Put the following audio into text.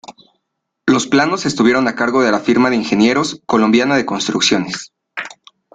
Los planos estuvieron a cargo de la firma de ingenieros "Colombiana de Construcciones".